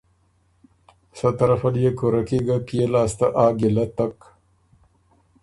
سۀ طرفه ليې کُورۀ کی ګۀ پئے لاسته آ ګیلۀ تک۔